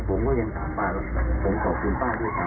ผมก็ยังถามป้าผมขอบคุณป้าด้วยครับ